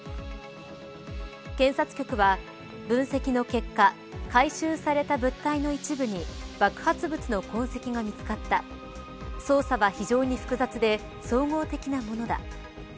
検察局は分析の結果回収された物体の一部に爆発物の痕跡が見つかった操作は非常に複雑で総合的なものだ。